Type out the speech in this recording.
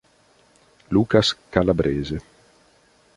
Lucas Calabrese